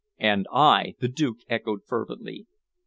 "And I," the Duke echoed fervently.